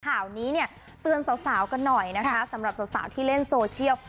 ข่าวนี้เนี่ยเตือนสาวกันหน่อยนะคะสำหรับสาวที่เล่นโซเชียล